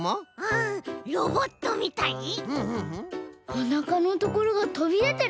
おなかのところがとびでてる。